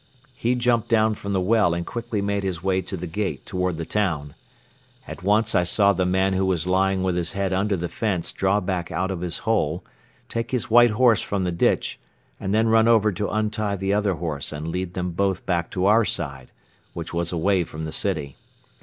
'" He jumped down from the well and quickly made his way to the gate toward the town. At once I saw the man who was lying with his head under the fence draw back out of his hole, take his white horse from the ditch and then run over to untie the other horse and lead them both back to our side, which was away from the city.